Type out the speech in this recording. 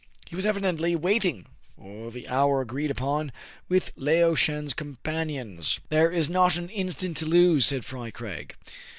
He was evidently waiting for the hour agreed upon with Lao Shen*s companions. *' There is not an instant to lose," said Fry Craig.